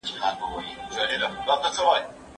موږ باید دې ټکي ته تبلیغ وکړو.